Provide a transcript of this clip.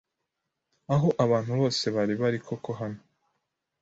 Aho abantu bose bari bari koko hano